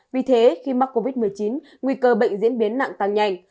vì thế khi mắc covid một mươi chín nguy cơ bệnh diễn biến nặng tăng nhanh